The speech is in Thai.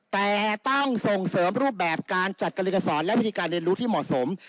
แต่ต้องส่งเสริมรูปแบบการจัดการเรียนการสอนและวิธีการเรียนรู้ที่เหมาะสม